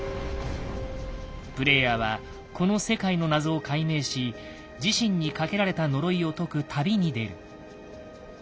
プレイヤーはこの世界の謎を解明し自身にかけられた呪いを解く旅に出る。